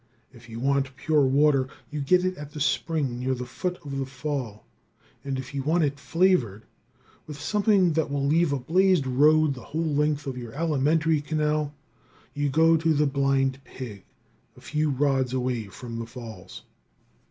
If you want pure water you get it at the spring near the foot of the fall, and if you want it flavored, with something that will leave a blazed road the whole length of your alimentary canal, you go to the "blind pig," a few rods away from the falls.